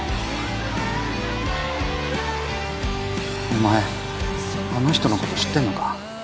お前あの人のこと知ってんのか？